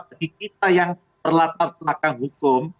bagi kita yang berlatar belakang hukum